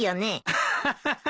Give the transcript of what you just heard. アハハハ。